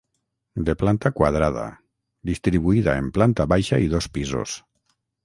De planta quadrada, distribuïda en planta baixa i dos pisos.